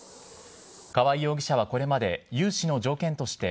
河合容疑者はこれまで融資の条件として、